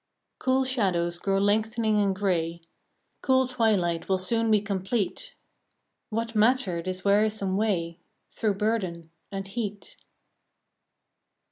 Cool shadows grow lengthening and gray, Cool twilight will soon be complete :— What matter this wearisome way Through burden and heat